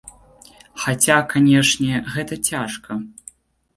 Хаця, канешне, гэта цяжка.